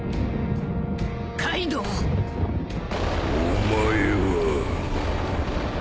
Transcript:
お前は。